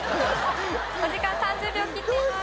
お時間３０秒切っています。